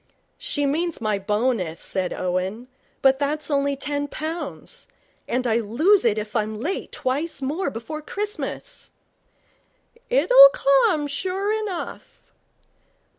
'She means my bonus,' said Owen. 'But that's only ten pounds. And I lose it if I'm late twice more before Christmas.' 'It'll come sure enough.'